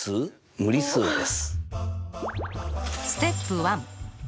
無理数です。